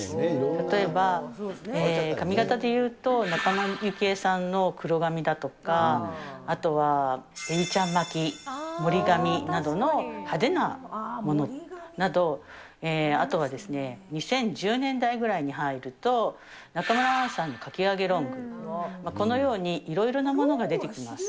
例えば、髪形で言うと、仲間由紀恵さんの黒髪だとか、あとはエビちゃん巻き、盛り髪などの派手なものなど、あとは２０１０年代ぐらいに入ると、中村アンさんのかきあげロング、このようにいろいろなものが出てきます。